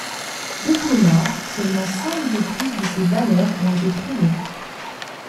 Depuis lors, seulement cinq de plus de ces valeurs ont été trouvées.